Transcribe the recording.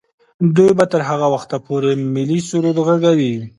دوی به تر هغه وخته پورې ملي سرود ږغوي.